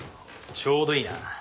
ちょうどいいな。